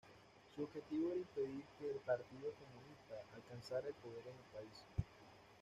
Su objetivo era impedir que el Partido Comunista, alcanzara el poder en el país.